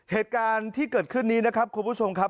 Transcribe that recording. เหตุการณ์ที่เกิดขึ้นนี้นะครับคุณผู้ชมครับ